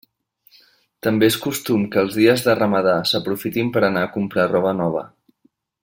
També és costum que els dies de ramadà s'aprofitin per anar a comprar roba nova.